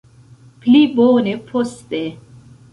Pli bone poste